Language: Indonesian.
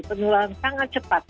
penularan sangat cepat